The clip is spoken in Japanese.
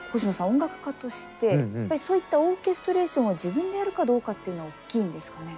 音楽家としてやっぱりそういったオーケストレーションを自分でやるかどうかっていうのはおっきいんですかね？